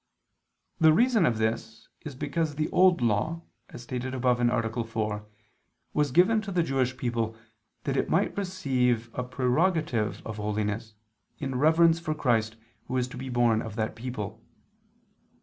The reason of this is because the Old Law, as stated above (A. 4), was given to the Jewish people, that it might receive a prerogative of holiness, in reverence for Christ Who was to be born of that people.